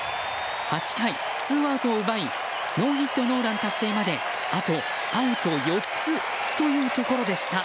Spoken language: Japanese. ８回ツーアウトを奪いノーヒットノーラン達成まであとアウト４つというところでした。